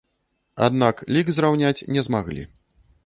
Аднак лік зраўняць не змаглі.